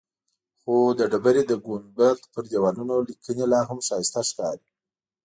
خو د ډبرې د ګنبد پر دیوالونو لیکنې لاهم ښایسته ښکاري.